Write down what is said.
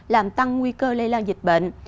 làm tăng nguy cơ lây lan dịch bệnh